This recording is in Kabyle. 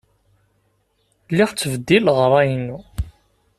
Lliɣ ttbeddileɣ ṛṛay-inu.